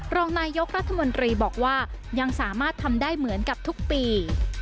รองนายกรัฐมนตรีบอกว่ายังสามารถทำได้เหมือนกับทุกปี